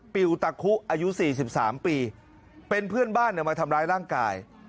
ปิวตะคุอายุ๔๓ปีเป็นเพื่อนบ้านมาทำร้ายร่างกาย